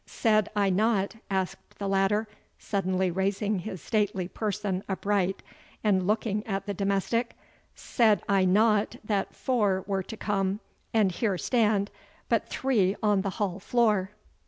"Said I not," asked the latter, suddenly raising his stately person upright, and looking at the domestic "said I not that four were to come, and here stand but three on the hall floor?"